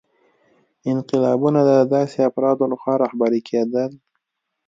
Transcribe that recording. انقلابونه د داسې افرادو لخوا رهبري کېدل.